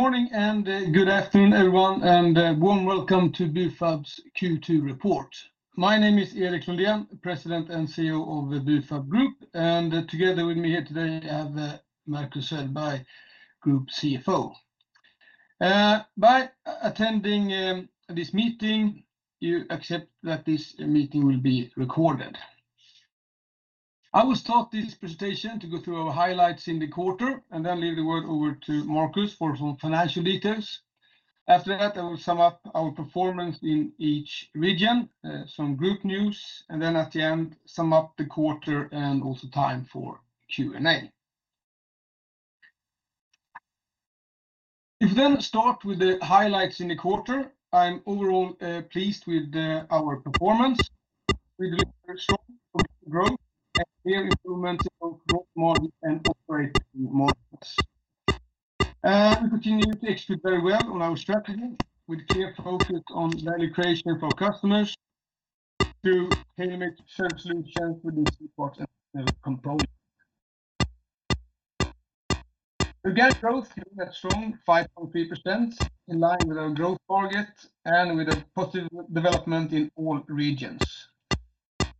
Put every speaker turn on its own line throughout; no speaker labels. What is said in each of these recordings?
Good morning and good afternoon, everyone, and a warm welcome to Bufab's Q2 report. My name is Erik Lundén, President and CEO of the Bufab Group, and together with me here today, I have Marcus Söderberg, Group CFO. By attending this meeting, you accept that this meeting will be recorded. I will start this presentation to go through our highlights in the quarter, leave the word over to Marcus for some financial details. After that, I will sum up our performance in each region, some group news, and at the end, sum up the quarter and also time for Q&A. If we then start with the highlights in the quarter, I'm overall pleased with our performance. We delivered strong growth and clear improvement in both gross margin and operating margins. We continue to execute very well on our strategy with clear focus on value creation for our customers through tailored service solutions within C-parts and technical components. Organic growth during that strong 5.3%, in line with our growth target and with a positive development in all regions.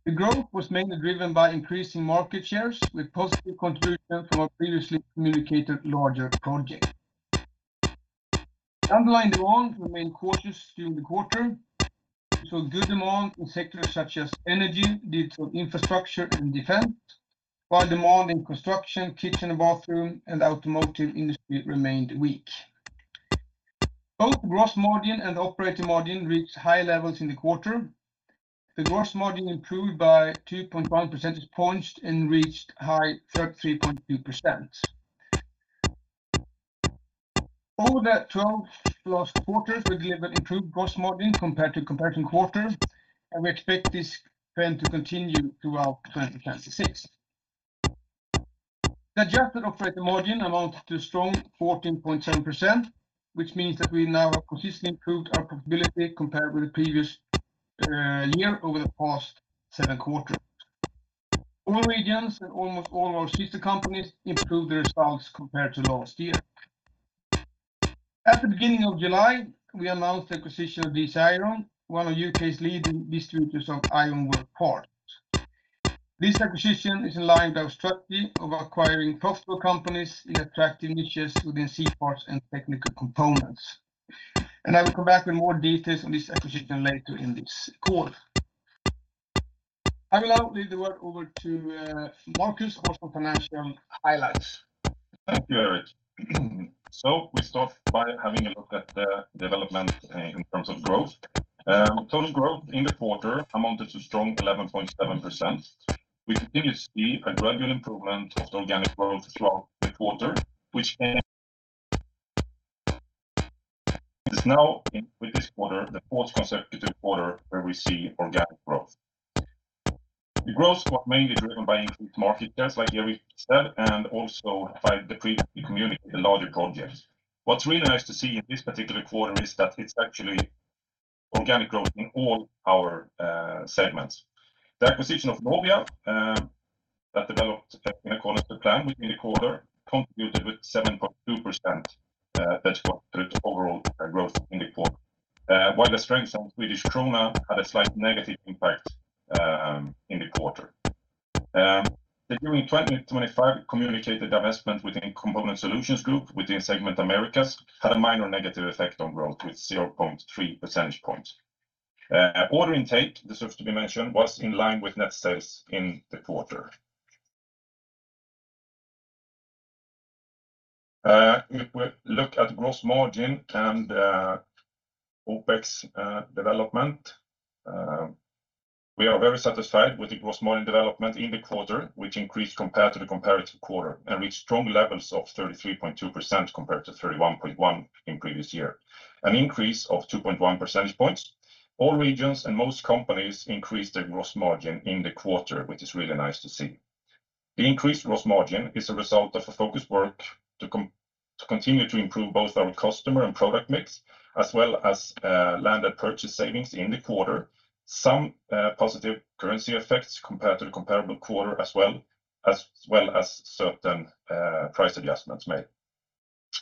The growth was mainly driven by increasing market shares with positive contributions from our previously communicated larger project. The underlying demand remained cautious during the quarter. We saw good demand in sectors such as energy, digital infrastructure, and defense, while demand in construction, kitchen and bathroom, and automotive industry remained weak. Both gross margin and operating margin reached high levels in the quarter. The gross margin improved by 2.1 percentage points and reached high 33.2%. Over the 12 last quarters, we delivered improved gross margin compared to comparison quarter, we expect this trend to continue throughout 2026. The adjusted operating margin amounted to a strong 14.7%, which means that we now have consistently improved our profitability compared with the previous year over the past seven quarters. All regions and almost all our sister companies improved their results compared to last year. At the beginning of July, we announced the acquisition of DC Iron, one of U.K.'s leading distributors of ironwork parts. This acquisition is in line with our strategy of acquiring profitable companies in attractive niches within C-parts and technical components. I will come back with more details on this acquisition later in this call. I will now leave the word over to Marcus for some financial highlights.
Thank you, Erik. We start by having a look at the development in terms of growth. Total growth in the quarter amounted to strong 11.7%. We continue to see a gradual improvement of the organic growth throughout the quarter. It is now, with this quarter, the fourth consecutive quarter where we see organic growth. The growth was mainly driven by increased market shares, like Erik said, and also by the previously communicated larger projects. What's really nice to see in this particular quarter is that it's actually organic growth in all our segments. The acquisition of novia, that developed in accordance to plan within the quarter, contributed with 7.2% to the overall growth in the quarter, while the strength of Swedish krona had a slight negative impact in the quarter. The during 2025 communicated divestment within Component Solutions Group within segment Americas had a minor negative effect on growth with 0.3 percentage points. Order intake, deserves to be mentioned, was in line with net sales in the quarter. If we look at gross margin and OpEx development, we are very satisfied with the gross margin development in the quarter, which increased compared to the comparative quarter and reached strong levels of 33.2% compared to 31.1 in previous year, an increase of 2.1 percentage points. All regions and most companies increased their gross margin in the quarter, which is really nice to see. The increased gross margin is a result of a focused work to continue to improve both our customer and product mix, as well as landed purchase savings in the quarter. Some positive currency effects compared to the comparable quarter as well, as well as certain price adjustments made.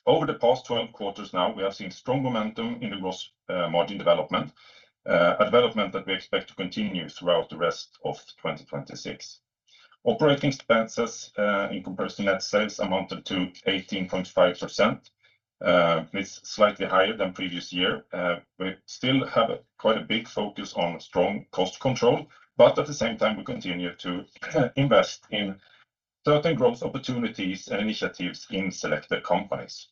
Over the past 12 quarters now, we have seen strong momentum in the gross margin development, a development that we expect to continue throughout the rest of 2026. Operating expenses, in comparison net sales, amounted to 18.5%, which is slightly higher than previous year. We still have quite a big focus on strong cost control, but at the same time, we continue to invest in certain growth opportunities and initiatives in selected companies.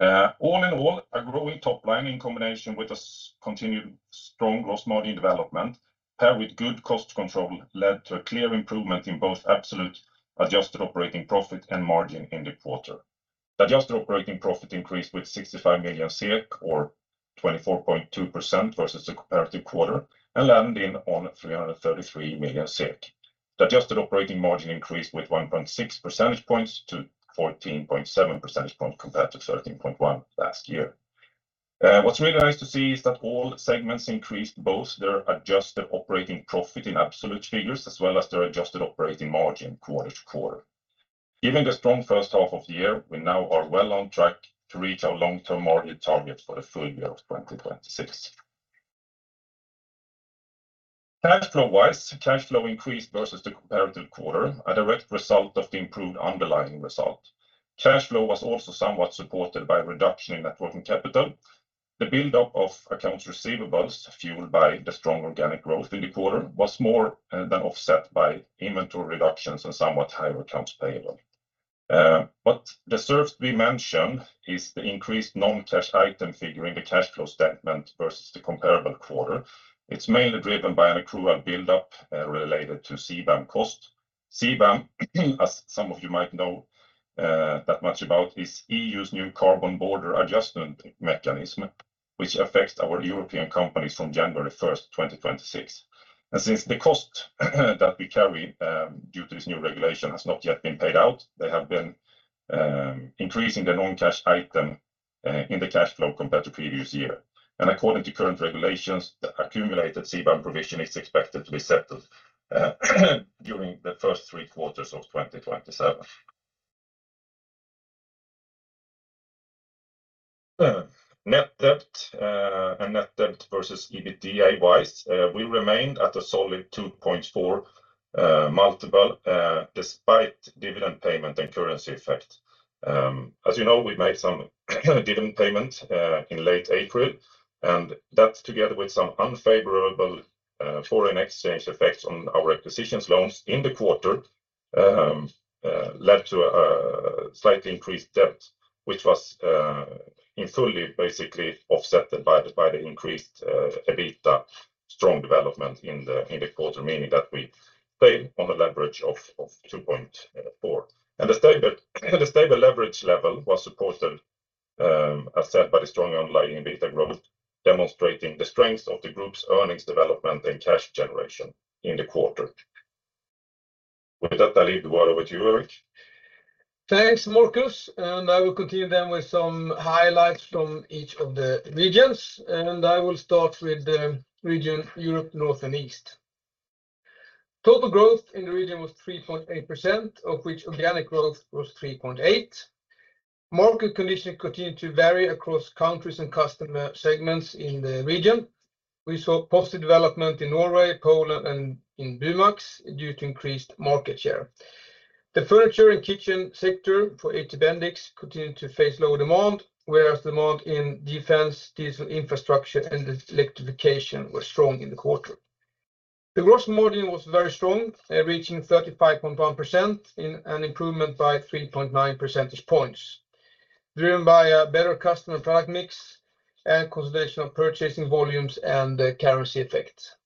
All in all, a growing top line in combination with a continued strong gross margin development, paired with good cost control, led to a clear improvement in both absolute adjusted operating profit and margin in the quarter. The adjusted operating profit increased with 65 million or 24.2% versus the comparative quarter and landed in on 333 million. The adjusted operating margin increased with 1.6 percentage points to 14.7 percentage points compared to 13.1 last year. What's really nice to see is that all segments increased both their adjusted operating profit in absolute figures, as well as their adjusted operating margin quarter to quarter. Given the strong first half of the year, we now are well on track to reach our long-term margin target for the full year of 2026. Cash flow-wise, cash flow increased versus the comparative quarter, a direct result of the improved underlying result. Cash flow was also somewhat supported by a reduction in net working capital. The buildup of accounts receivables, fueled by the strong organic growth in the quarter, was more than offset by inventory reductions and somewhat higher accounts payable. It deserves to be mentioned is the increased non-cash item figure in the cash flow statement versus the comparable quarter. It's mainly driven by an accrual buildup related to CBAM cost. CBAM, as some of you might know that much about, is EU's new Carbon Border Adjustment Mechanism, which affects our European companies from January 1st, 2026. Since the cost that we carry due to this new regulation has not yet been paid out, they have been increasing the non-cash item in the cash flow compared to previous year. According to current regulations, the accumulated CBAM provision is expected to be settled during the first three quarters of 2027. Net debt and net debt versus EBITDA-wise, we remained at a solid 2.4 multiple despite dividend payment and currency effect. As you know, we made some dividend payment in late April, that together with some unfavorable foreign exchange effects on our acquisitions loans in the quarter led to a slightly increased debt, which was in fully basically offset by the increased EBITDA strong development in the quarter, meaning that we stayed on a leverage of 2.4. The stable leverage level was supported, as said, by the strong underlying EBITDA growth, demonstrating the strength of the group's earnings development and cash generation in the quarter. With that, I leave the word over to you, Erik.
Thanks, Marcus. I will continue with some highlights from each of the regions. I will start with the region Europe North and East. Total growth in the region was 3.8%, of which organic growth was 3.8%. Market conditions continued to vary across countries and customer segments in the region. We saw positive development in Norway, Poland, and in BUMAX due to increased market share. The furniture and kitchen sector for HT Bendix continued to face low demand, whereas demand in defense, diesel infrastructure, and electrification were strong in the quarter. The gross margin was very strong, reaching 35.1% in an improvement by 3.9 percentage points, driven by a better customer product mix and consolidation of purchasing volumes and currency effects.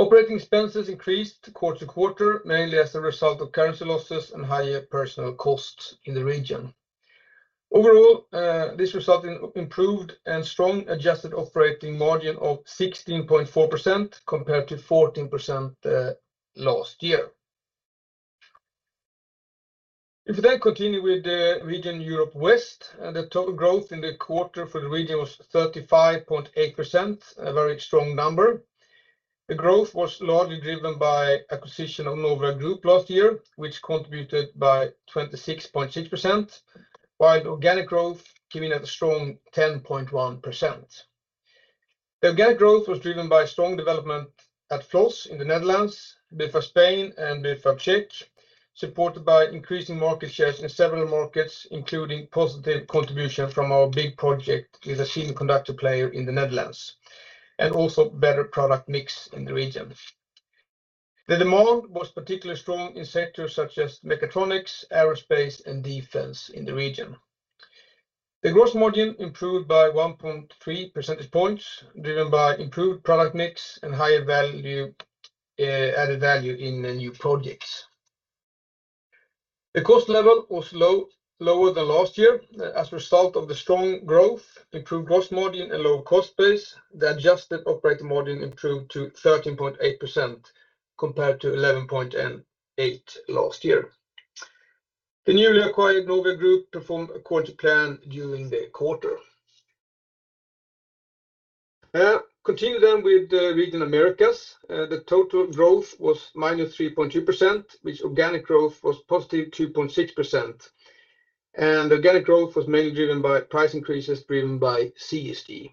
Operating expenses increased quarter-to-quarter, mainly as a result of currency losses and higher personnel costs in the region. Overall, this resulted in improved and strong adjusted operating margin of 16.4% compared to 14% last year. If we continue with the region Europe West, the total growth in the quarter for the region was 35.8%, a very strong number. The growth was largely driven by acquisition of novia Group last year, which contributed by 26.6%, while the organic growth came in at a strong 10.1%. The organic growth was driven by strong development at Flos in the Netherlands, Bufab Spain and Bufab Czech, supported by increasing market shares in several markets, including positive contribution from our big project with a semiconductor player in the Netherlands, also better product mix in the region. The demand was particularly strong in sectors such as mechatronics, aerospace, and defense in the region. The gross margin improved by 1.3 percentage points, driven by improved product mix and higher added value in the new projects. The cost level was lower than last year. As a result of the strong growth, improved gross margin and lower cost base, the adjusted operating margin improved to 13.8% compared to 11.8% last year. The newly acquired novia Group performed according to plan during the quarter. Continue with the region Americas. The total growth was -3.2%, which organic growth was +2.6%. Organic growth was mainly driven by price increases driven by CSG.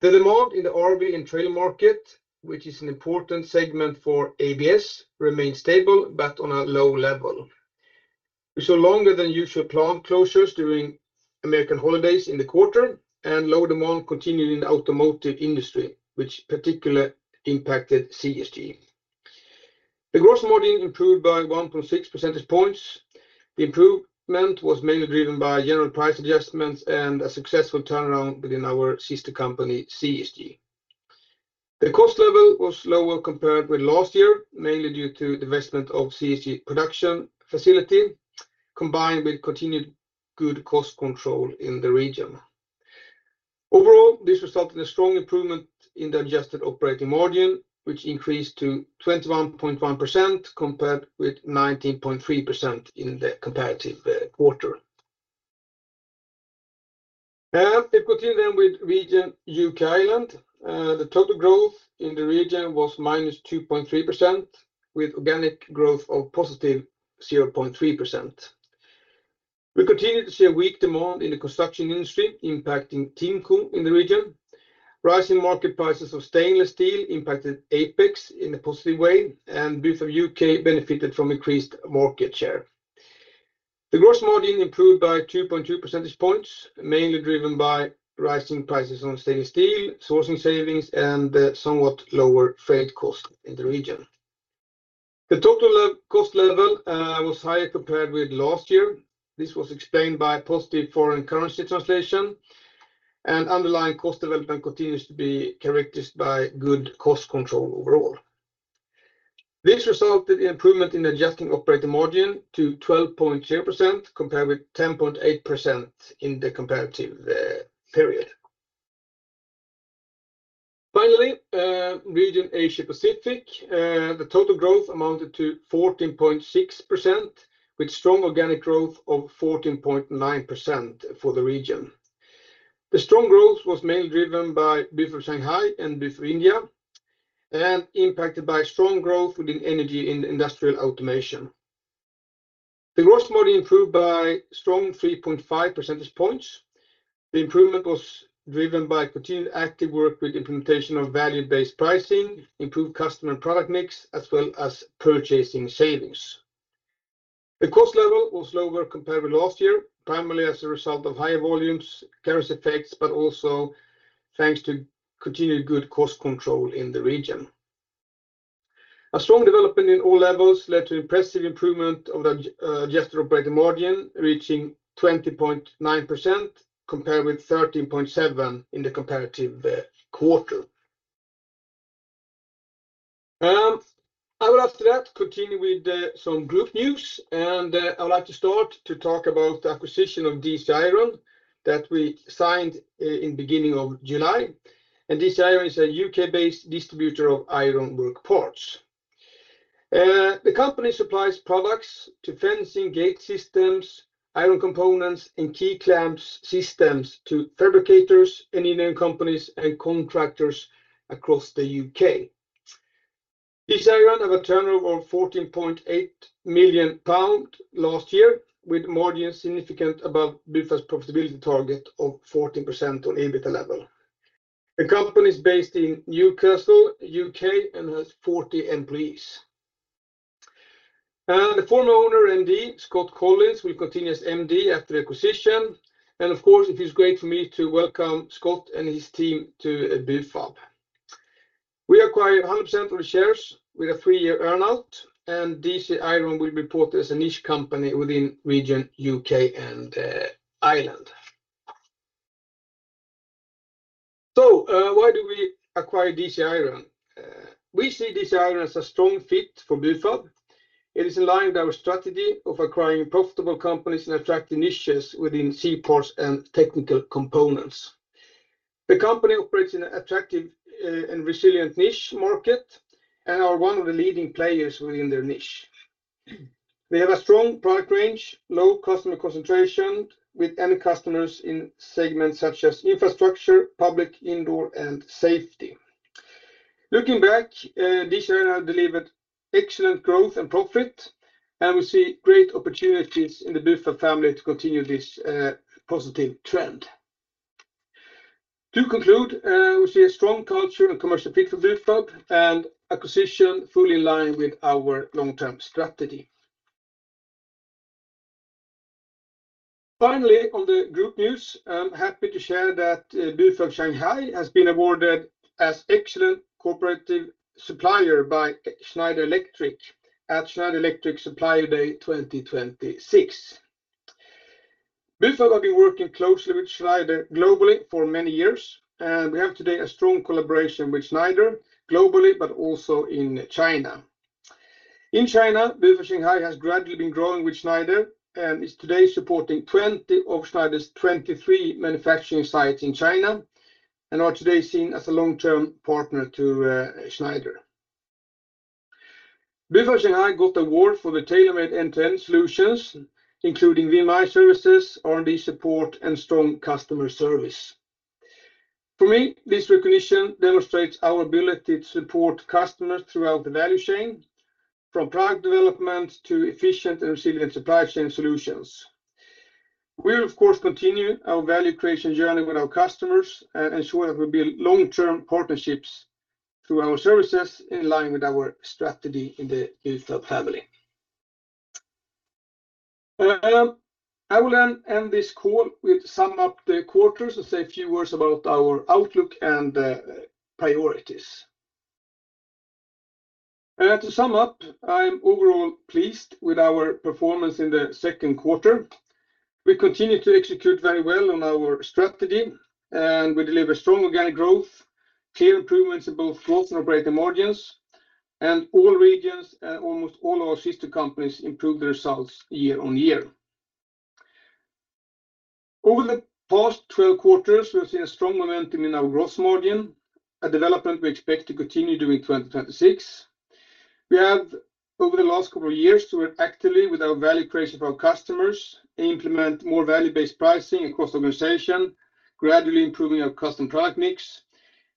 The demand in the RV and trailer market, which is an important segment for ABS, remained stable but on a low level. We saw longer than usual plant closures during American holidays in the quarter and low demand continued in the automotive industry, which particularly impacted CSG. The gross margin improved by 1.6 percentage points. The improvement was mainly driven by general price adjustments and a successful turnaround within our sister company, CSG. The cost level was lower compared with last year, mainly due to the divestment of CSG production facility, combined with continued good cost control in the region. Overall, this resulted in a strong improvement in the adjusted operating margin, which increased to 21.1% compared with 19.3% in the comparative quarter. Continuing then with region U.K., Ireland, the total growth in the region was -2.3% with organic growth of +0.3%. We continue to see a weak demand in the construction industry impacting TIMCO in the region. Rising market prices of stainless steel impacted Apex in a positive way, and Bufab U.K. benefited from increased market share. The gross margin improved by 2.2 percentage points, mainly driven by rising prices on stainless steel, sourcing savings, and the somewhat lower freight cost in the region. The total cost level was higher compared with last year. This was explained by positive foreign currency translation, underlying cost development continues to be characterized by good cost control overall. This resulted in improvement in adjusted operating margin to 12.2% compared with 10.8% in the comparative period. Region Asia Pacific, the total growth amounted to 14.6%, with strong organic growth of 14.9% for the region. The strong growth was mainly driven by Bufab Shanghai and Bufab India, and impacted by strong growth within energy and industrial automation. The gross margin improved by a strong 3.5 percentage points. The improvement was driven by continued active work with implementation of value-based pricing, improved customer product mix, as well as purchasing savings. The cost level was lower compared with last year, primarily as a result of higher volumes, currency effects, but also thanks to continued good cost control in the region. A strong development in all levels led to impressive improvement of the adjusted operating margin, reaching 20.9%, compared with 13.7% in the comparative quarter. I will after that continue with some group news, I would like to start to talk about the acquisition of DC Iron that we signed in beginning of July. DC Iron is a U.K.-based distributor of ironwork parts. The company supplies products to fencing gate systems, iron components, and key clamps systems to fabricators, and end companies, and contractors across the U.K. DC Iron have a turnover of 14.8 million pounds last year, with margin significantly above Bufab's profitability target of 14% on EBITA level. The company is based in Newcastle, U.K., and has 40 employees. The former owner, MD Scott Collins, will continue as MD after acquisition. Of course, it feels great for me to welcome Scott and his team to Bufab. We acquired 100% of the shares with a three-year earn-out, DC Iron will be reported as a niche company within region U.K. and Ireland. Why do we acquire DC Iron? We see DC Iron as a strong fit for Bufab. It is in line with our strategy of acquiring profitable companies and attracting niches within C-parts and technical components. The company operates in an attractive and resilient niche market and is one of the leading players within their niche. They have a strong product range, low customer concentration with end customers in segments such as infrastructure, public, indoor, and safety. Looking back, DC Iron delivered excellent growth and profit, and we see great opportunities in the Bufab family to continue this positive trend. To conclude, we see a strong culture and commercial fit for Bufab, and acquisition fully in line with our long-term strategy. Finally, on the group news, I'm happy to share that Bufab Shanghai has been awarded as excellent cooperative supplier by Schneider Electric at Schneider Electric's Supplier Day 2026. Bufab have been working closely with Schneider globally for many years, and we have today a strong collaboration with Schneider globally but also in China. In China, Bufab Shanghai has gradually been growing with Schneider and is today supporting 20 of Schneider's 23 manufacturing sites in China and are today seen as a long-term partner to Schneider. Bufab Shanghai got award for the tailor-made end-to-end solutions, including VMI services, R&D support, and strong customer service. For me, this recognition demonstrates our ability to support customers throughout the value chain, from product development to efficient and resilient supply chain solutions. We will of course continue our value creation journey with our customers and ensure that we build long-term partnerships through our services in line with our strategy in the Bufab family. I will end this call with sum up the quarters and say a few words about our outlook and priorities. To sum up, I'm overall pleased with our performance in the second quarter. We continue to execute very well on our strategy, and we deliver strong organic growth, clear improvements in both growth and operating margins. All regions and almost all our sister companies improved their results year-on-year. Over the past 12 quarters, we have seen a strong momentum in our gross margin, a development we expect to continue during 2026. We have, over the last couple of years, worked actively with our value creation for our customers, implement more value-based pricing across the organization, gradually improving our custom product mix,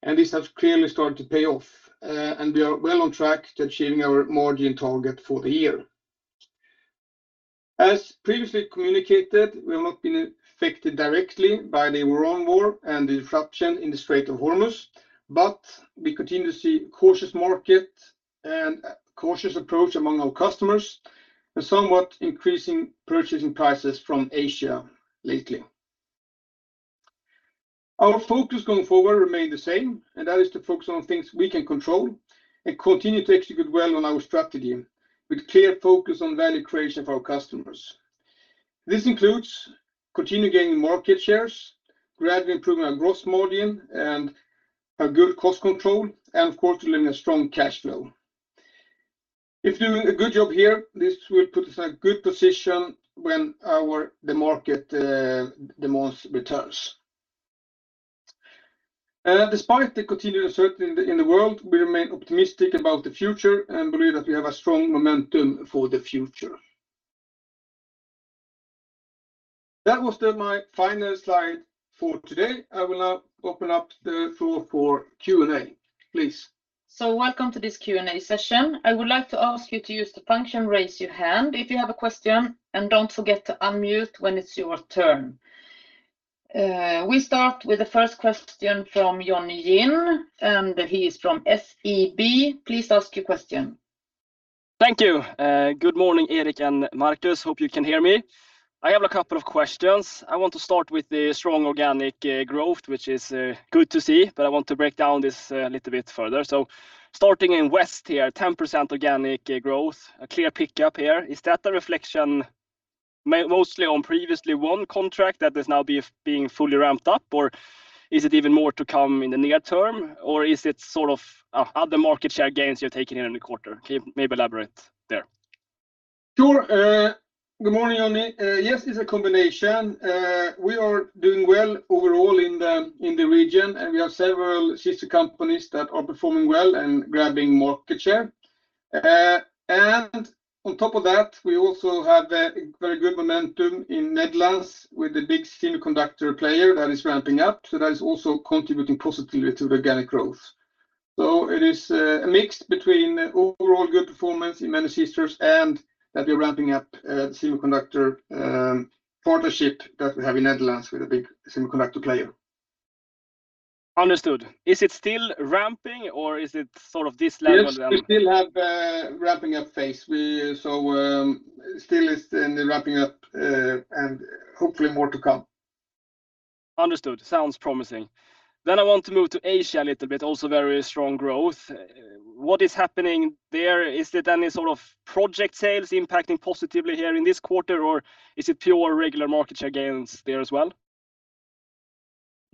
and this has clearly started to pay off. We are well on track to achieving our margin target for the year. As previously communicated, we have not been affected directly by the Iran war and the disruption in the Strait of Hormuz. We continue to see cautious market and a cautious approach among our customers, and somewhat increasing purchasing prices from Asia lately. Our focus going forward remain the same, and that is to focus on things we can control and continue to execute well on our strategy, with clear focus on value creation for our customers. This includes continue gaining market shares, gradually improving our gross margin and a good cost control, and of course, delivering a strong cash flow. If doing a good job here, this will put us in a good position when the market demands returns. Despite the continued uncertainty in the world, we remain optimistic about the future and believe that we have a strong momentum for the future. That was then my final slide for today. I will now open up the floor for Q&A. Please.
Welcome to this Q&A session. I would like to ask you to use the function Raise Your Hand if you have a question and do not forget to unmute when it is your turn. We start with the first question from Jonny Jin. He is from SEB. Please ask your question.
Thank you. Good morning, Erik and Marcus. Hope you can hear me. I have a couple of questions. I want to start with the strong organic growth, which is good to see. I want to break down this a little bit further. Starting in West here, 10% organic growth, a clear pickup here. Is that a reflection mostly on previously one contract that is now being fully ramped up, or is it even more to come in the near term? Or is it other market share gains you are taking in the quarter? Can you maybe elaborate there?
Sure. Good morning, Jonny. Yes, it is a combination. We are doing well overall in the region. We have several sister companies that are performing well and grabbing market share. On top of that, we also have a very good momentum in Netherlands with the big semiconductor player that is ramping up. That is also contributing positively to the organic growth. It is a mix between overall good performance in many sisters and that we are ramping up a semiconductor partnership that we have in Netherlands with a big semiconductor player.
Understood. Is it still ramping or is it this level?
Yes, we still have a ramping up phase. Still is in the ramping up, and hopefully more to come.
Understood. Sounds promising. I want to move to Asia a little bit, also very strong growth. What is happening there? Is it any project sales impacting positively here in this quarter, or is it pure regular market share gains there as well?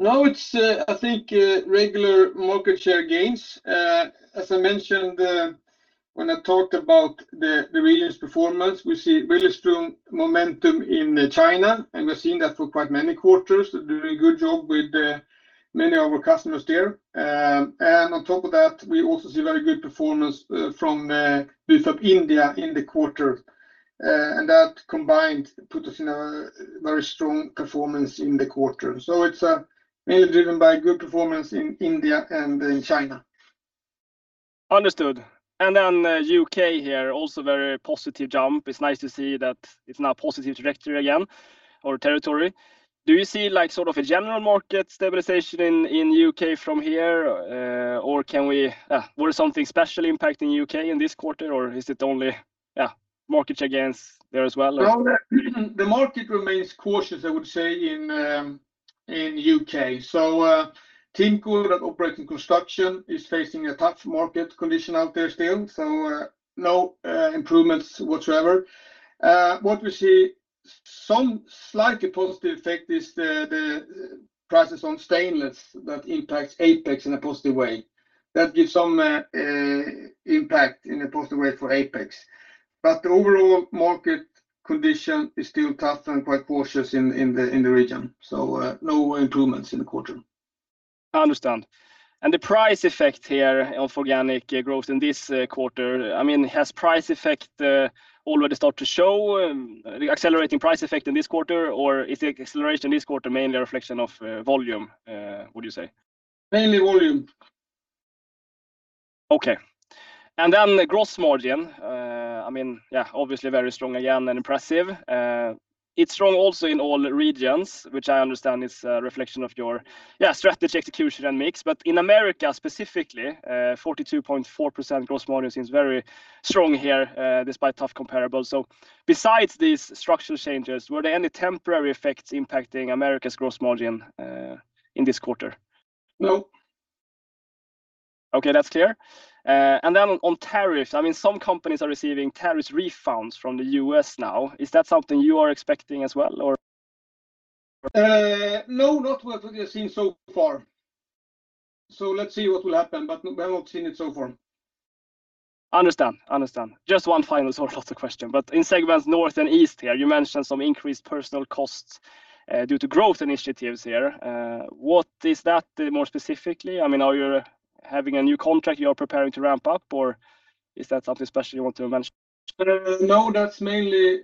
No, it's, I think, regular market share gains. As I mentioned when I talked about the regions performance, we see really strong momentum in China, and we're seeing that for quite many quarters, doing a good job with many of our customers there. On top of that, we also see very good performance from Bufab India in the quarter. That combined put us in a very strong performance in the quarter. It's mainly driven by good performance in India and in China.
Understood. Then U.K. here, also very positive jump. It's nice to see that it's now positive trajectory again, or territory. Do you see a general market stabilization in U.K. from here? Was something special impacting U.K. in this quarter, or is it only market share gains there as well?
No, the market remains cautious, I would say, in U.K. TIMCO that operate in construction is facing a tough market condition out there still, so no improvements whatsoever. What we see, some slightly positive effect is the prices on stainless that impacts Apex in a positive way. That gives some impact in a positive way for Apex. The overall market condition is still tough and quite cautious in the region, so no improvements in the quarter.
I understand. The price effect here of organic growth in this quarter, has price effect already start to show, the accelerating price effect in this quarter, or is the acceleration this quarter mainly a reflection of volume, would you say?
Mainly volume.
Okay. Then the gross margin. Obviously very strong again and impressive. It's strong also in all regions, which I understand is a reflection of your strategy execution and mix. In America specifically, 42.4% gross margin seems very strong here, despite tough comparables. Besides these structural changes, were there any temporary effects impacting America's gross margin, in this quarter?
No.
Okay, that's clear. On tariffs, some companies are receiving tariffs refunds from the U.S. now. Is that something you are expecting as well, or?
No, not what we have seen so far. Let's see what will happen, but we have not seen it so far.
Understand. Just one final sort of question, in segments North and East here, you mentioned some increased personnel costs due to growth initiatives here. What is that more specifically? Are you having a new contract you are preparing to ramp up or is that something special you want to mention?
No, that's mainly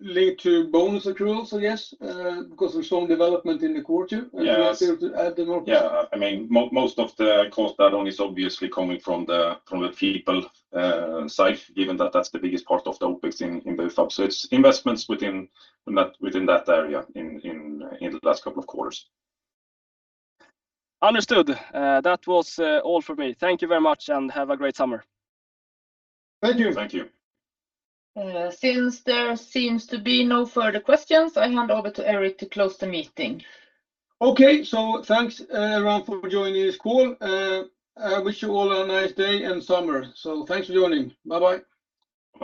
linked to bonus accruals, I guess, because of strong development in the quarter.
Yes
We appear to add the numbers.
Yeah, most of the cost add-on is obviously coming from the people side, given that that's the biggest part of the OpEx in Bufab. It's investments within that area in the last couple of quarters.
Understood. That was all from me. Thank you very much and have a great summer.
Thank you.
Thank you.
Since there seems to be no further questions, I hand over to Erik to close the meeting.
Okay, thanks everyone for joining this call. I wish you all a nice day and summer. Thanks for joining. Bye-bye. Bye.